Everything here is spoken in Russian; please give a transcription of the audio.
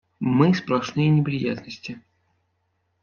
Мы сплошные неприятности!